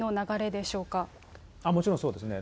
もちろんそうですね。